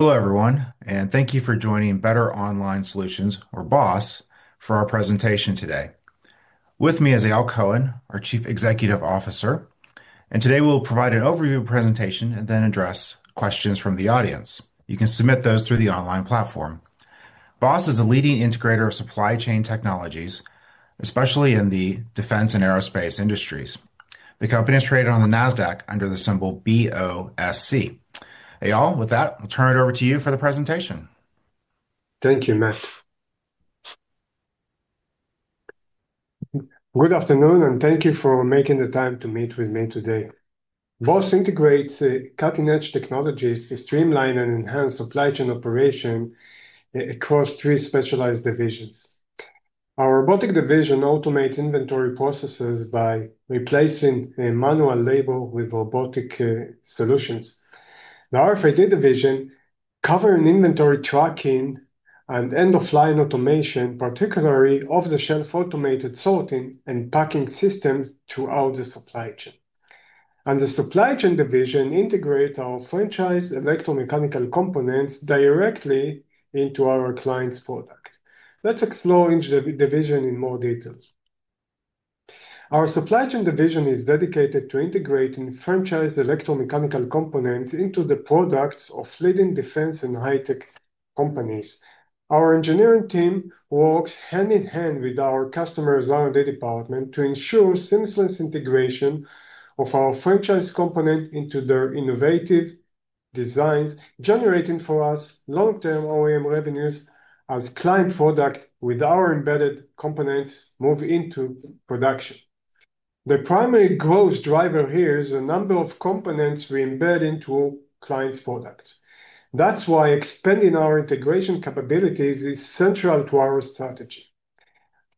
Hello, everyone, and thank you for joining Better Online Solutions, or B.O.S., for our presentation today. With me is Eyal Cohen, our Chief Executive Officer, and today we will provide an overview presentation and then address questions from the audience. You can submit those through the online platform. B.O.S. is a leading integrator of supply chain technologies, especially in the defense and aerospace industries. The company is traded on the NASDAQ under the symbol BOSC. Eyal, with that, I'll turn it over to you for the presentation. Thank you, Matt. Good afternoon, and thank you for making the time to meet with me today. B.O.S. integrates cutting-edge technologies to streamline and enhance supply chain operations across three specialized divisions. Our Robotic Division automates inventory processes by replacing manual labor with robotic solutions. The RFID Division covers inventory tracking and end-of-line automation, particularly off-the-shelf automated sorting and packing systems throughout the supply chain, and the Supply Chain Division integrates our franchised electromechanical components directly into our clients' products. Let's explore each division in more detail. Our Supply Chain Division is dedicated to integrating franchised electromechanical components into the products of leading defense and high-tech companies. Our engineering team works hand in hand with our customer R&D department to ensure seamless integration of our franchise components into their innovative designs, generating for us long-term OEM revenues as client products with our embedded components move into production. The primary growth driver here is the number of components we embed into clients' products. That's why expanding our integration capabilities is central to our strategy.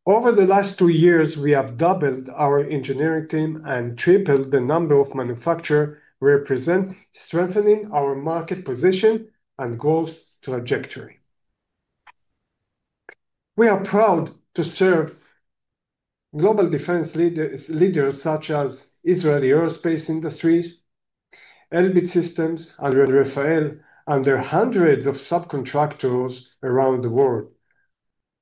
Over the last two years, we have doubled our engineering team and tripled the number of manufacturers we represent, strengthening our market position and growth trajectory. We are proud to serve global defense leaders such as Israel Aerospace Industries, Elbit Systems, and Rafael, and their hundreds of subcontractors around the world.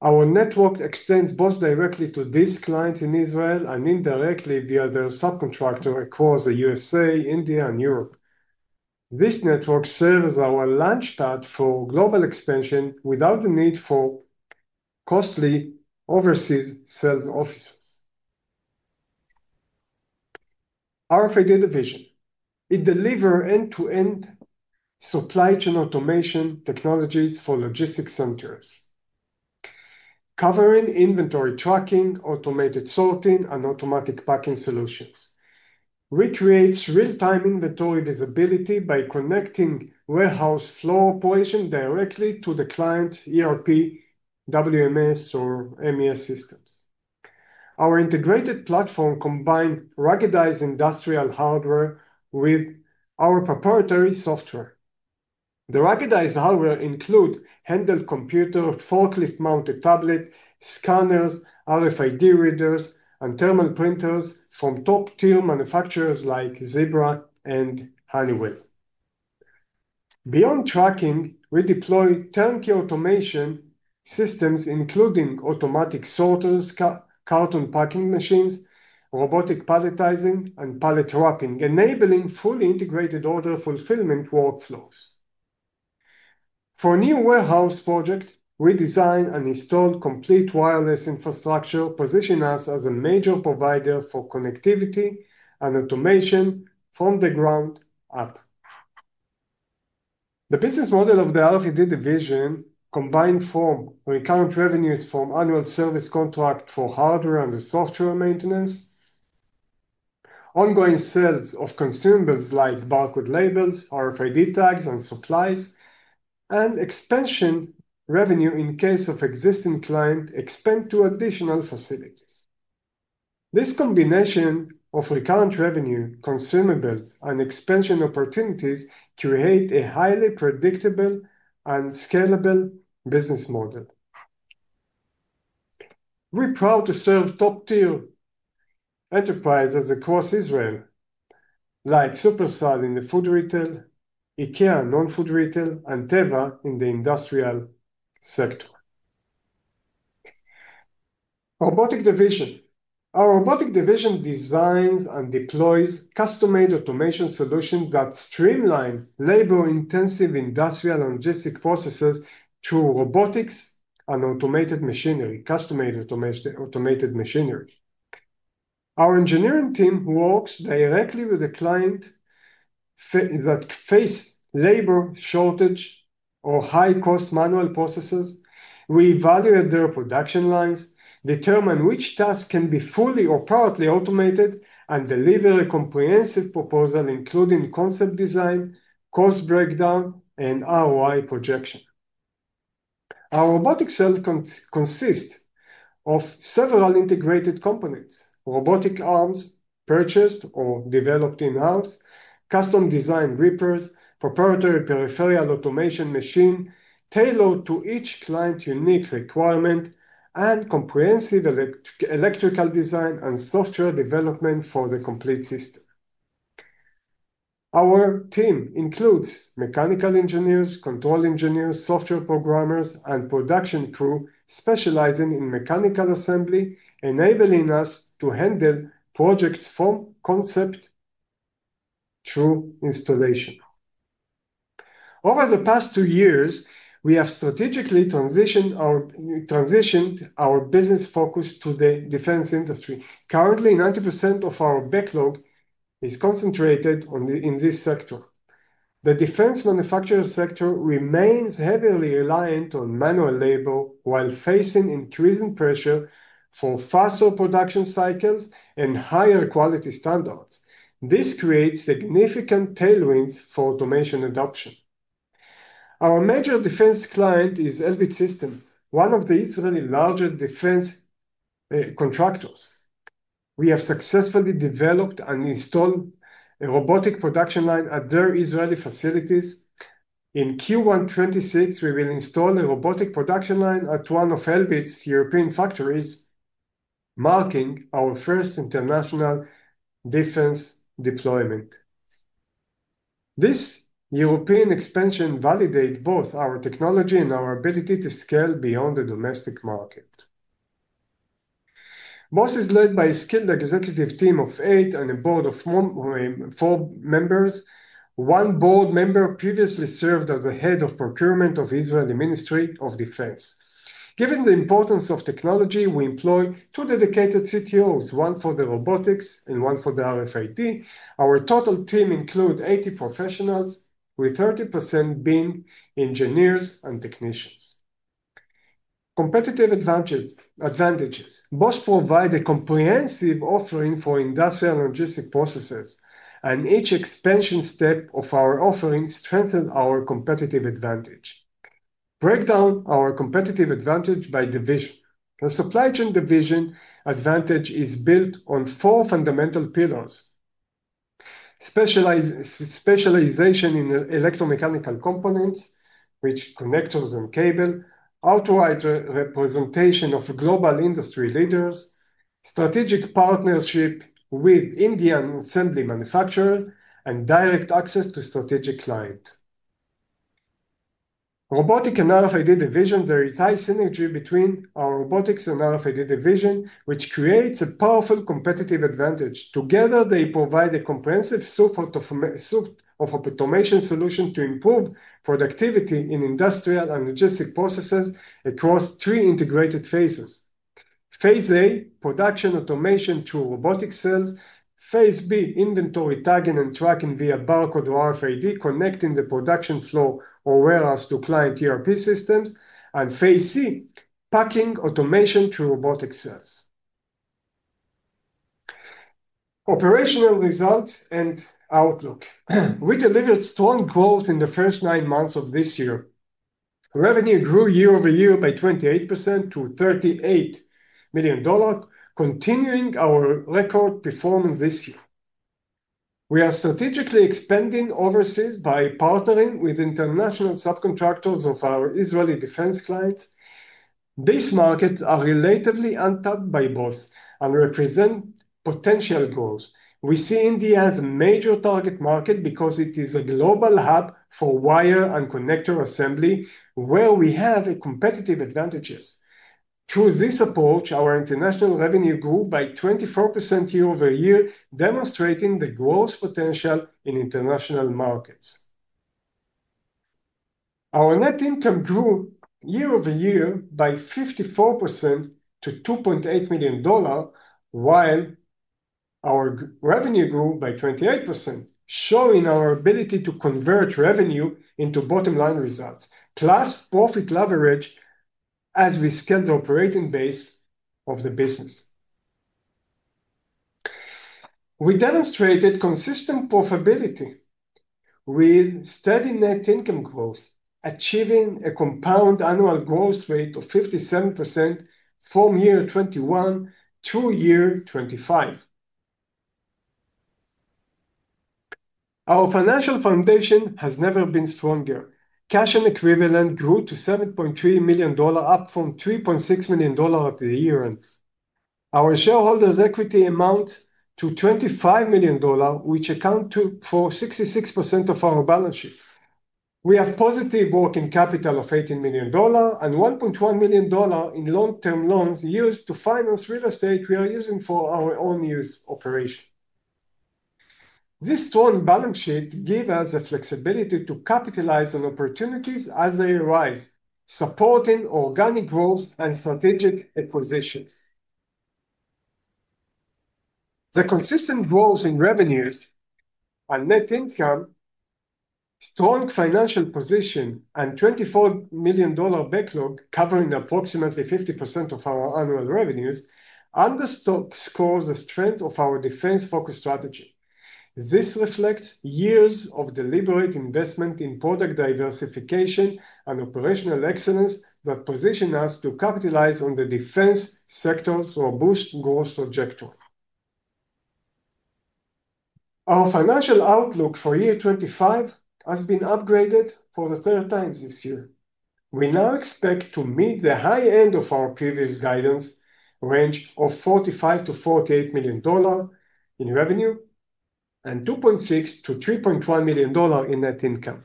Our network extends both directly to these clients in Israel and indirectly via their subcontractors across the USA, India, and Europe. This network serves as our launchpad for global expansion without the need for costly overseas sales offices. RFID Division. It delivers end-to-end supply chain automation technologies for logistics centers, covering inventory tracking, automated sorting, and automatic packing solutions. It recreates real-time inventory visibility by connecting warehouse floor operations directly to the client ERP, WMS, or MES systems. Our integrated platform combines ruggedized industrial hardware with our proprietary software. The ruggedized hardware includes handheld computers, forklift-mounted tablets, scanners, RFID readers, and thermal printers from top-tier manufacturers like Zebra and Honeywell. Beyond tracking, we deploy turnkey automation systems, including automatic sorters, carton packing machines, robotic palletizing, and pallet wrapping, enabling fully integrated order fulfillment workflows. For new warehouse projects, we design and install complete wireless infrastructure, positioning us as a major provider for connectivity and automation from the ground up. The business model of the RFID division combines current revenues from annual service contracts for hardware and software maintenance, ongoing sales of consumables like barcode labels, RFID tags, and supplies, and expansion revenue in case of existing clients expand to additional facilities. This combination of recurrent revenue, consumables, and expansion opportunities creates a highly predictable and scalable business model. We're proud to serve top-tier enterprises across Israel, like Shufersal in the food retail, IKEA in non-food retail, and Teva in the industrial sector. Robotic Division. Our Robotic Division designs and deploys custom-made automation solutions that streamline labor-intensive industrial and logistics processes through robotics and automated machinery. Our engineering team works directly with the clients that face labor shortage or high-cost manual processes. We evaluate their production lines, determine which tasks can be fully or partly automated, and deliver a comprehensive proposal, including concept design, cost breakdown, and ROI projection. Our robotic sales consist of several integrated components: robotic arms purchased or developed in-house, custom-designed grippers, proprietary peripheral automation machines tailored to each client's unique requirements, and comprehensive electrical design and software development for the complete system. Our team includes mechanical engineers, control engineers, software programmers, and production crew specializing in mechanical assembly, enabling us to handle projects from concept through installation. Over the past two years, we have strategically transitioned our business focus to the defense industry. Currently, 90% of our backlog is concentrated in this sector. The defense manufacturing sector remains heavily reliant on manual labor while facing increasing pressure for faster production cycles and higher quality standards. This creates significant tailwinds for automation adoption. Our major defense client is Elbit Systems, one of Israel's larger defense contractors. We have successfully developed and installed a robotic production line at their Israeli facilities. In Q1 2026, we will install a robotic production line at one of Elbit's European factories, marking our first international defense deployment. This European expansion validates both our technology and our ability to scale beyond the domestic market. B.O.S. is led by a skilled executive team of eight and a board of four members. One board member previously served as the head of procurement of the Israeli Ministry of Defense. Given the importance of technology, we employ two dedicated CTOs, one for the robotics and one for the RFID. Our total team includes 80 professionals, with 30% being engineers and technicians. Competitive advantages. B.O.S. provides a comprehensive offering for industrial and logistics processes, and each expansion step of our offering strengthens our competitive advantage. Break down our competitive advantage by division. The supply chain division advantage is built on four fundamental pillars: specialization in electromechanical components, which connectors and cables, outright representation of global industry leaders, strategic partnership with Indian assembly manufacturers, and direct access to strategic clients. Robotics and RFID division. There is high synergy between our robotics and RFID division, which creates a powerful competitive advantage. Together, they provide a comprehensive suite of automation solutions to improve productivity in industrial and logistic processes across three integrated phases: Phase A, production automation through robotic cells. Phase B, inventory tagging and tracking via barcode or RFID, connecting the production flow or warehouse to client ERP systems. And Phase C, packing automation through robotic cells. Operational results and outlook. We delivered strong growth in the first nine months of this year. Revenue grew year over year by 28% to $38 million, continuing our record performance this year. We are strategically expanding overseas by partnering with international subcontractors of our Israeli defense clients. These markets are relatively untapped by B.O.S. and represent potential growth. We see India as a major target market because it is a global hub for wire and connector assembly, where we have competitive advantages. Through this approach, our international revenue grew by 24% year over year, demonstrating the growth potential in international markets. Our net income grew year over year by 54% to $2.8 million, while our revenue grew by 28%, showing our ability to convert revenue into bottom-line results, plus profit leverage as we scale the operating base of the business. We demonstrated consistent profitability with steady net income growth, achieving a compound annual growth rate of 57% from year 2021 to year 2025. Our financial foundation has never been stronger. Cash and equivalents grew to $7.3 million, up from $3.6 million at year-end. Our shareholders' equity amounts to $25 million, which accounts for 66% of our balance sheet. We have positive working capital of $18 million and $1.1 million in long-term loans used to finance real estate we are using for our own use operation. This strong balance sheet gives us the flexibility to capitalize on opportunities as they arise, supporting organic growth and strategic acquisitions. The consistent growth in revenues and net income, strong financial position, and $24 million backlog, covering approximately 50% of our annual revenues, underscores the strength of our defense-focused strategy. This reflects years of deliberate investment in product diversification and operational excellence that positions us to capitalize on the defense sector's robust growth trajectory. Our financial outlook for 2025 has been upgraded for the third time this year. We now expect to meet the high end of our previous guidance range of $45-$48 million in revenue and $2.6-$3.1 million in net income.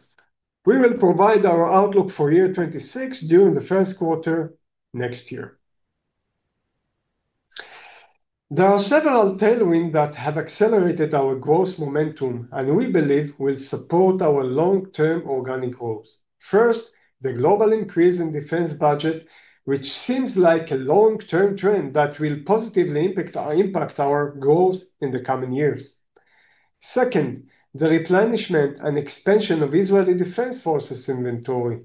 We will provide our outlook for 2026 during the first quarter next year. There are several tailwinds that have accelerated our growth momentum, and we believe will support our long-term organic growth. First, the global increase in defense budget, which seems like a long-term trend that will positively impact our growth in the coming years. Second, the replenishment and expansion of Israeli Defense Forces inventory.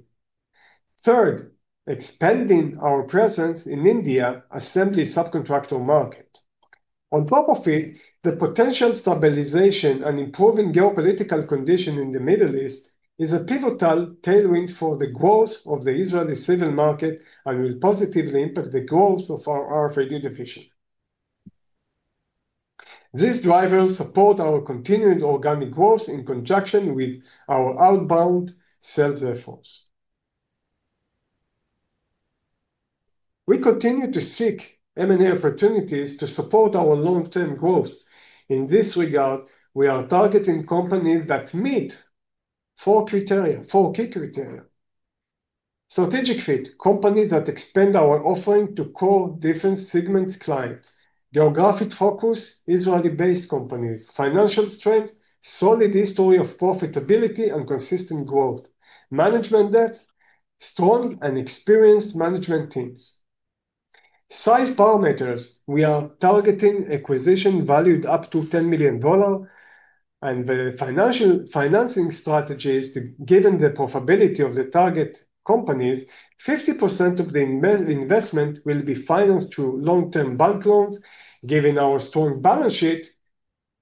Third, expanding our presence in India's assembly subcontractor market. On top of it, the potential stabilization and improving geopolitical conditions in the Middle East is a pivotal tailwind for the growth of the Israeli civil market and will positively impact the growth of our RFID division. These drivers support our continued organic growth in conjunction with our outbound sales efforts. We continue to seek M&A opportunities to support our long-term growth. In this regard, we are targeting companies that meet four key criteria: strategic fit, companies that expand our offering to core defense segment clients, geographic focus, Israeli-based companies, financial strength, solid history of profitability and consistent growth, management depth, strong and experienced management teams. Size parameters. We are targeting acquisitions valued up to $10 million, and the financing strategy is, given the profitability of the target companies, 50% of the investment will be financed through long-term bank loans. Given our strong balance sheet,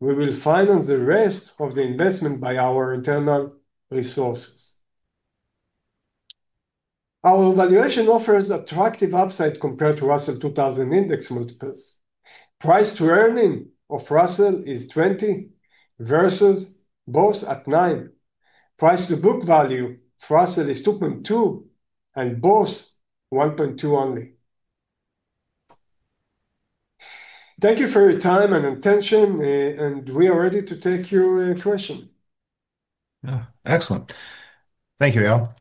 we will finance the rest of the investment by our internal resources. Our valuation offers attractive upside compared to Russell 2000 index multiples. Price to earnings of Russell is 20 versus B.O.S. at 9. Price to book value for Russell is 2.2, and B.O.S. 1.2 only. Thank you for your time and attention, and we are ready to take your question. Excellent. Thank you, Eyal.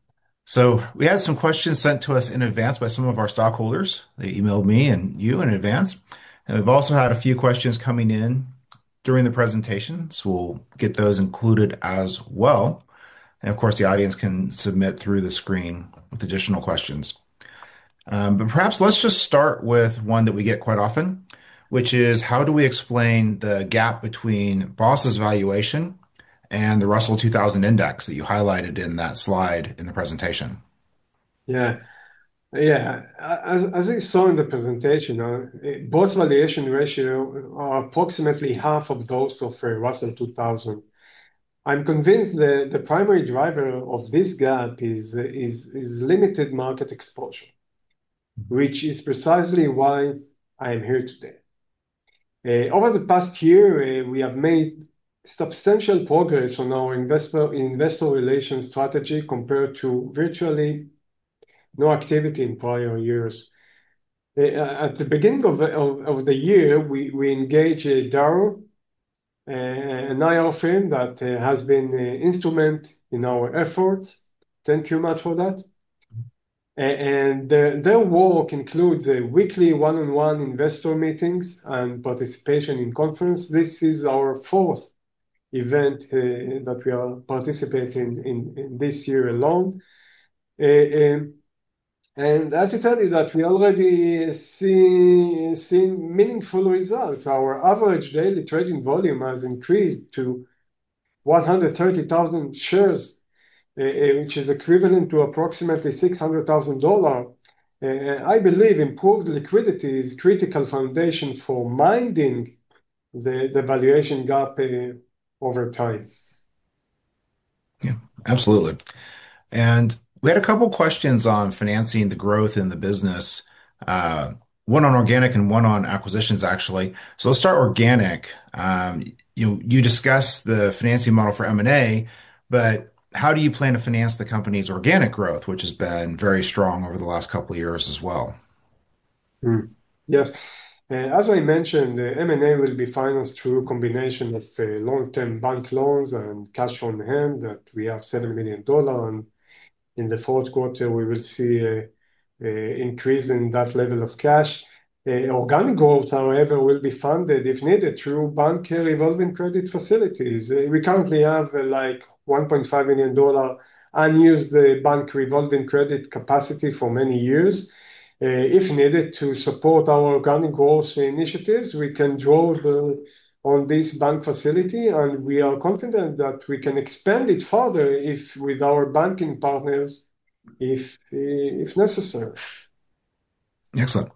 So we had some questions sent to us in advance by some of our stockholders. They emailed me and you in advance, and we've also had a few questions coming in during the presentation, so we'll get those included as well. Of course, the audience can submit through the screen with additional questions. Perhaps let's just start with one that we get quite often, which is, how do we explain the gap between B.O.S.'s valuation and the Russell 2000 index that you highlighted in that slide in the presentation? Yeah, yeah. As you saw in the presentation, B.O.S. valuation ratio is approximately half of those of Russell 2000. I'm convinced that the primary driver of this gap is limited market exposure, which is precisely why I am here today. Over the past year, we have made substantial progress on our investor relations strategy compared to virtually no activity in prior years. At the beginning of the year, we engaged Darrow, an IR firm that has been instrumental in our efforts. Thank you much for that. Their work includes weekly one-on-one investor meetings and participation in conferences. This is our fourth event that we are participating in this year alone, and I have to tell you that we already see meaningful results. Our average daily trading volume has increased to 130,000 shares, which is equivalent to approximately $600,000. I believe improved liquidity is a critical foundation for minding the valuation gap over time. Yeah, absolutely, and we had a couple of questions on financing the growth in the business, one on organic and one on acquisitions, actually, so let's start organic. You discussed the financing model for M&A, but how do you plan to finance the company's organic growth, which has been very strong over the last couple of years as well? Yes. As I mentioned, M&A will be financed through a combination of long-term bank loans and cash on hand that we have, $7 million. In the fourth quarter, we will see an increase in that level of cash. Organic growth, however, will be funded, if needed, through bank revolving credit facilities. We currently have like $1.5 million unused bank revolving credit capacity for many years. If needed to support our organic growth initiatives, we can draw on this bank facility, and we are confident that we can expand it further with our banking partners if necessary. Excellent.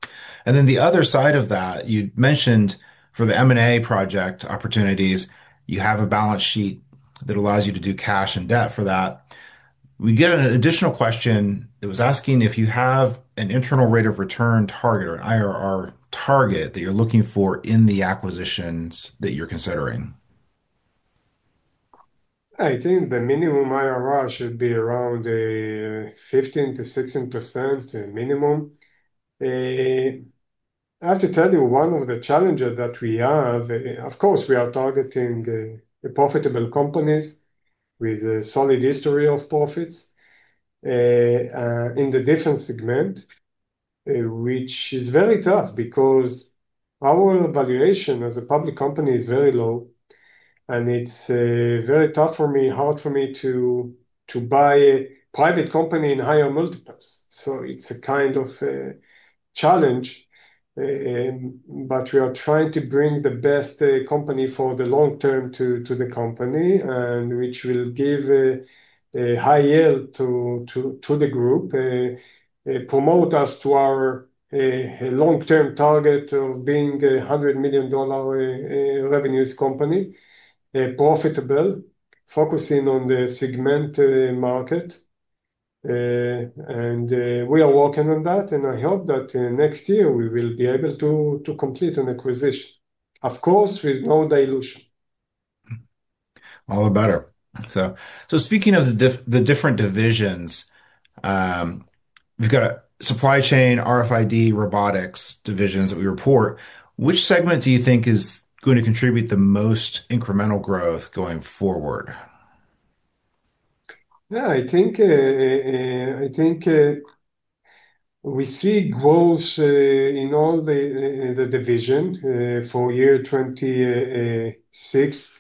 And then the other side of that, you mentioned for the M&A project opportunities, you have a balance sheet that allows you to do cash and debt for that. We get an additional question that was asking if you have an internal rate of return target or an IRR target that you're looking for in the acquisitions that you're considering. I think the minimum IRR should be around 15%-16% minimum. I have to tell you one of the challenges that we have, of course. We are targeting profitable companies with a solid history of profits in the defense segment, which is very tough because our valuation as a public company is very low, and it's very tough for me, hard for me to buy a private company in higher multiples, so it's a kind of challenge. But we are trying to bring the best company for the long term to the company, which will give a high yield to the group, promote us to our long-term target of being a $100 million revenues company, profitable, focusing on the segment market, and we are working on that. I hope that next year we will be able to complete an acquisition, of course, with no dilution. All the better. So speaking of the different divisions, we've got Supply Chain, RFID, Robotics divisions that we report. Which segment do you think is going to contribute the most incremental growth going forward? Yeah, I think we see growth in all the divisions for 2026.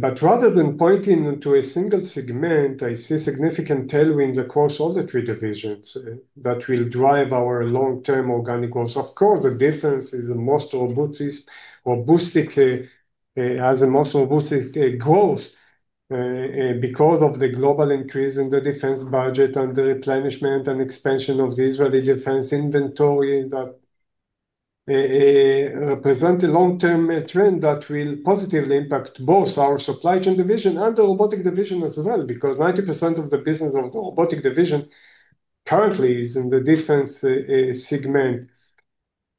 But rather than pointing to a single segment, I see significant tailwind across all three divisions that will drive our long-term organic growth. Of course, defense is the most robust growth because of the global increase in the defense budget and the replenishment and expansion of the Israeli defense inventory that represent a long-term trend that will positively impact both our Supply Chain Division and the Robotic Division as well, because 90% of the business of the Robotic Division currently is in the defense segment.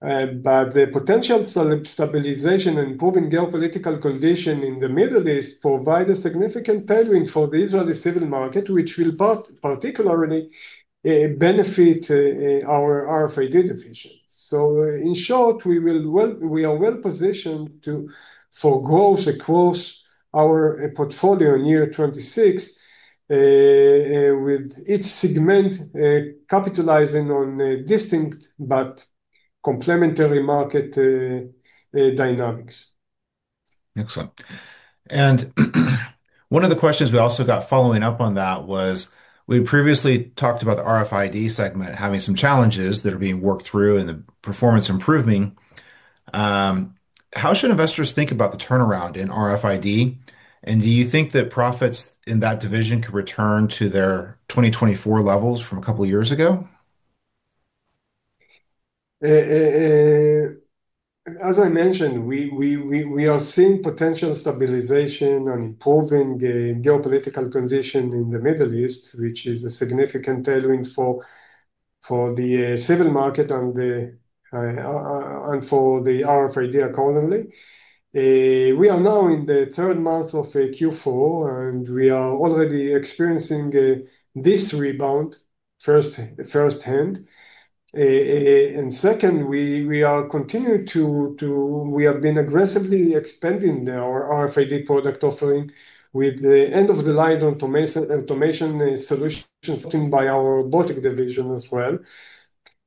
But the potential stabilization and improving geopolitical conditions in the Middle East provide a significant tailwind for the Israeli civil market, which will particularly benefit our RFID division. So in short, we are well positioned for growth across our portfolio in year 26, with each segment capitalizing on distinct but complementary market dynamics. Excellent. And one of the questions we also got following up on that was, we previously talked about the RFID segment having some challenges that are being worked through and the performance improving. How should investors think about the turnaround in RFID? And do you think that profits in that division could return to their 2024 levels from a couple of years ago? As I mentioned, we are seeing potential stabilization and improving geopolitical conditions in the Middle East, which is a significant tailwind for the civil market and for the RFID economy. We are now in the third month of Q4, and we are already experiencing this rebound firsthand. And second, we are continuing to—we have been aggressively expanding our RFID product offering with the end-of-the-line automation solutions supported by our robotic division as well.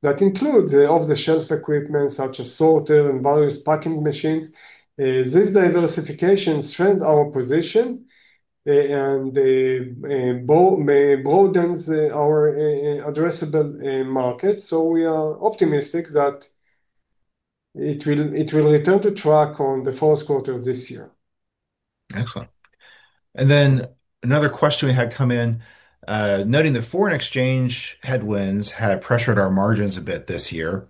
That includes off-the-shelf equipment such as sorters and various packing machines. This diversification strengthens our position and broadens our addressable market. So we are optimistic that it will return to track on the fourth quarter of this year. Excellent. And then another question we had come in, noting that foreign exchange headwinds had pressured our margins a bit this year.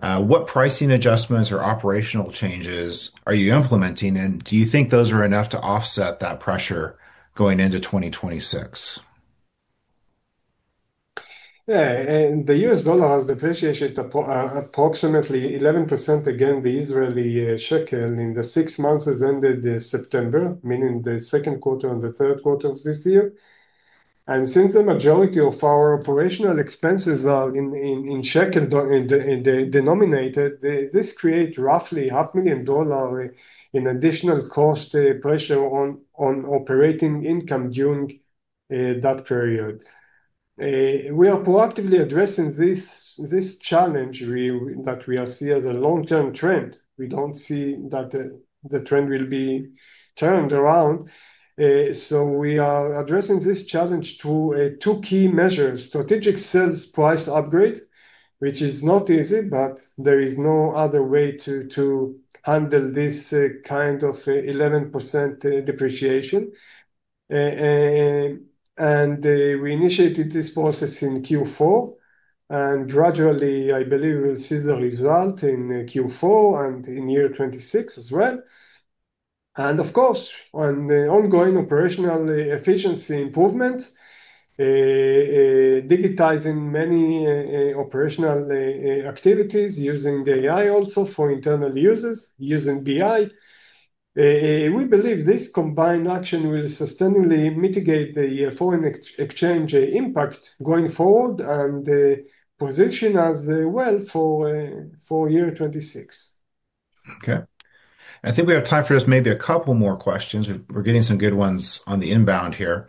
What pricing adjustments or operational changes are you implementing, and do you think those are enough to offset that pressure going into 2026? Yeah, and the U.S. dollar has depreciated approximately 11% against the Israeli shekel in the six months that ended in September, meaning the second quarter and the third quarter of this year, and since the majority of our operational expenses are in shekel-denominated, this creates roughly $500,000 in additional cost pressure on operating income during that period. We are proactively addressing this challenge that we see as a long-term trend. We don't see that the trend will be turned around, so we are addressing this challenge through two key measures: strategic sales price upgrade, which is not easy, but there is no other way to handle this kind of 11% depreciation, and we initiated this process in Q4, and gradually, I believe, we will see the result in Q4 and in 2026 as well. And of course, on the ongoing operational efficiency improvements, digitizing many operational activities using the AI also for internal users, using BI. We believe this combined action will sustainably mitigate the foreign exchange impact going forward and position us well for year 26. Okay. I think we have time for just maybe a couple more questions. We're getting some good ones on the inbound here.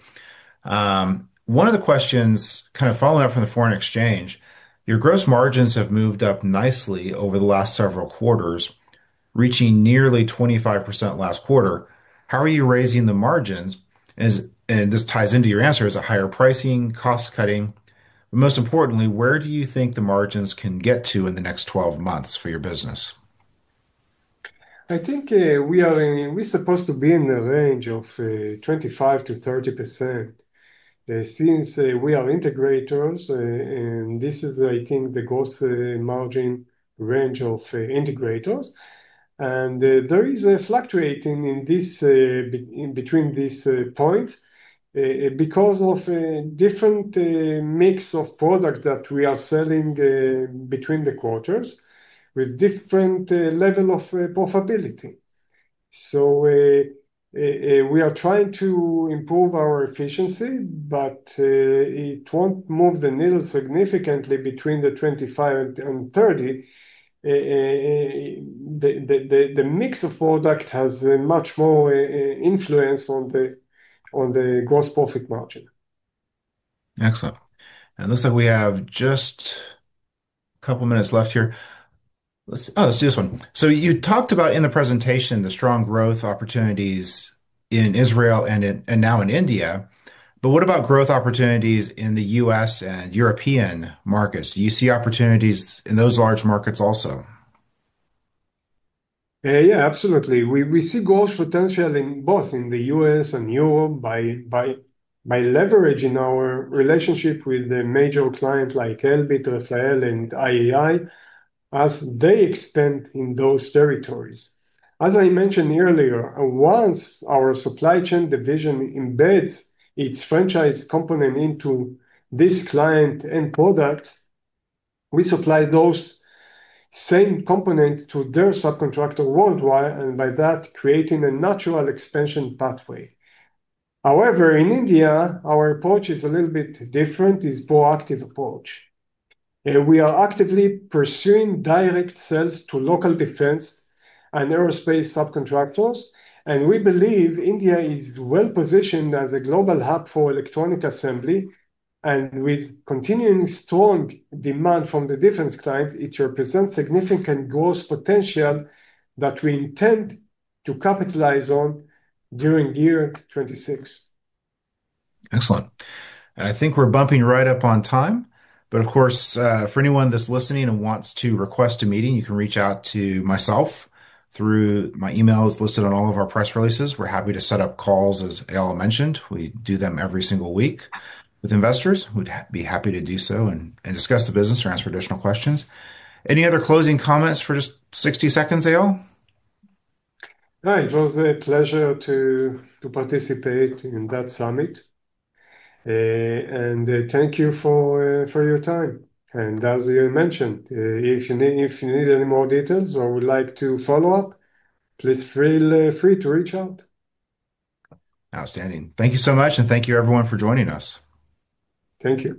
One of the questions kind of following up from the foreign exchange, your gross margins have moved up nicely over the last several quarters, reaching nearly 25% last quarter. How are you raising the margins? And this ties into your answer: is it higher pricing, cost-cutting? But most importantly, where do you think the margins can get to in the next 12 months for your business? I think we are supposed to be in the range of 25% to 30% since we are integrators, and this is, I think, the gross margin range of integrators, and there is a fluctuation between these points because of a different mix of products that we are selling between the quarters with different levels of profitability, so we are trying to improve our efficiency, but it won't move the needle significantly between the 25% and 30%. The mix of product has much more influence on the gross profit margin. Excellent, and it looks like we have just a couple of minutes left here. Oh, let's do this one, so you talked about in the presentation the strong growth opportunities in Israel and now in India, but what about growth opportunities in the US and European markets? Do you see opportunities in those large markets also? Yeah, absolutely. We see growth potential in both the U.S. and Europe by leveraging our relationship with the major clients like Elbit, Rafael, and IAI as they expand in those territories. As I mentioned earlier, once our supply chain division embeds its franchise component into this client and product, we supply those same components to their subcontractor worldwide, and by that, creating a natural expansion pathway. However, in India, our approach is a little bit different. It's a proactive approach. We are actively pursuing direct sales to local defense and aerospace subcontractors, and we believe India is well positioned as a global hub for electronic assembly. And with continuing strong demand from the defense clients, it represents significant growth potential that we intend to capitalize on during year 26. Excellent. I think we're bumping right up on time, but of course, for anyone that's listening and wants to request a meeting, you can reach out to myself through my emails listed on all of our press releases. We're happy to set up calls, as Eyal mentioned. We do them every single week with investors. We'd be happy to do so and discuss the business or answer additional questions. Any other closing comments for just 60 seconds, Eyal? No, it was a pleasure to participate in that summit. Thank you for your time. As you mentioned, if you need any more details or would like to follow up, please feel free to reach out. Outstanding. Thank you so much, and thank you, everyone, for joining us. Thank you.